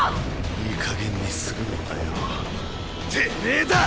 いいかげんにするのはよぉてめぇだ！